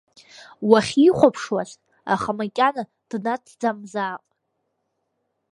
Уахьихәаԥшуаз, аха макьана днаҭӡамзаап.